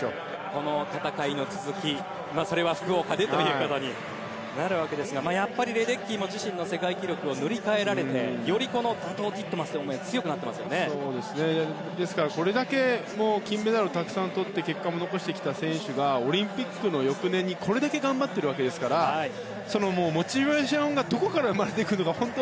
この戦いの続きは福岡でということになるわけですがやはりレデッキーも自身の世界記録を塗り替えられて打倒ティトマスという気持ちもですから、これだけ金メダル、たくさんとって結果を残してきた選手がオリンピックの翌年に、これだけ頑張っているわけですからモチベーションがどこから生まれてくるのか。